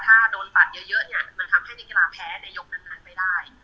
ถ้าโดนตัดเยอะเนี่ยมันทำให้นักกีฬาแพ้ในยกนั้นไปได้